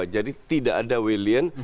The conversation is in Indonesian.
jadi tidak ada william